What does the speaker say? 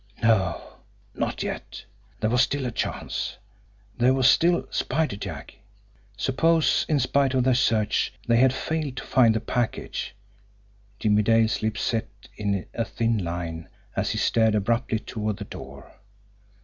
NO! Not yet! There was still a chance! There was still Spider Jack! Suppose, in spite of their search, they had failed to find the package! Jimmie Dale's lips set in a thin line, as he started abruptly toward the door.